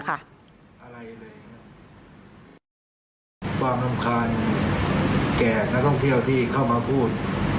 ความทำคาญแก่นักท่องเที่ยวที่เขามาพูด